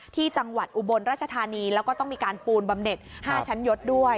ที่จังหวัดอุบลราชธานีแล้วก็ต้องมีการปูนบำเน็ต๕ชั้นยศด้วย